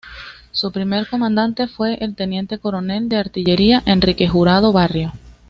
Su primer comandante fue el teniente coronel de artillería Enrique Jurado Barrio.